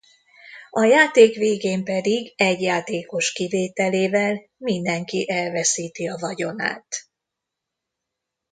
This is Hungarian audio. A játék végén pedig egy játékos kivételével mindenki elveszíti a vagyonát.